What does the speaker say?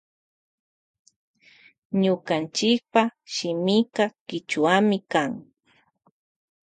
Ñukanchipa shimika kichwami kan.